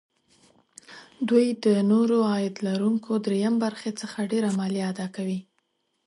دوی د نورو عاید لرونکو دریم برخې څخه ډېره مالیه اداکوي